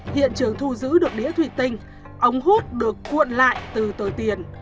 hiện trường thu giữ được đĩa thủy tinh ống hút được cuộn lại từ tờ tiền